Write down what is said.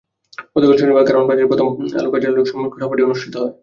গতকাল শনিবার কারওয়ান বাজারে প্রথম আলো কার্যালয়ের সম্মেলনকক্ষে সভাটি অনুষ্ঠিত হয়।